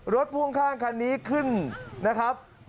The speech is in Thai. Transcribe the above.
พ่วงข้างคันนี้ขึ้นนะครับ